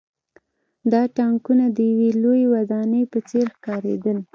دا ټانکونه د یوې لویې ودانۍ په څېر ښکارېدل